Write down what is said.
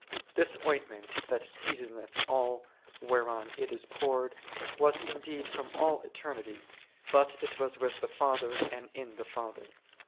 This ointment, that seasoneth all whereon it is poured, was indeed from all eternity, but it was with the Father and in the Father.